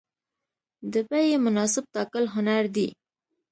د بیې مناسب ټاکل هنر دی.